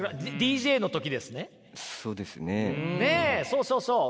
そうそうそう。